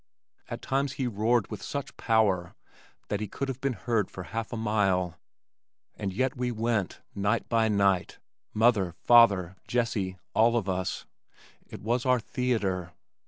At times he roared with such power that he could have been heard for half a mile. And yet we went, night by night, mother, father, Jessie, all of us. It was our theater.